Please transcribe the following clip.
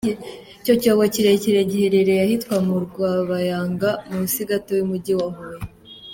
Icyo cyobo kirekire giherereye ahitwa mu Rwabayanga munsi gato y’Umujyi wa Huye.